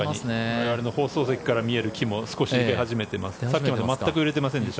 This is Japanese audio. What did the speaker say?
我々の放送席から見える木も少し揺れ始めています。